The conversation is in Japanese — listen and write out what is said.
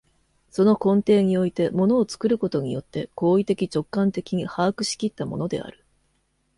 その根底において物を作ることによって行為的直観的に把握し来ったものである。